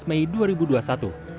hal ini berbeda